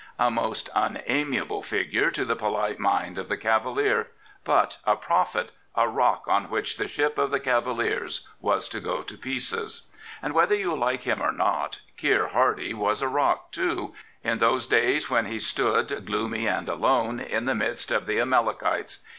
A most unamiable figure to the polite mind of the Cavalier; but a prophet, a rock on which the ship of the Cavaliers was to go to pieces. And, whether you like him or not, Keir Hardie was a rock, too, in those days when he stood, gloomy and alone, in the midst of the Amalekites.